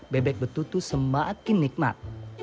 bebek petutu semakin nikmat